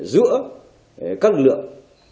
giữa các lực lượng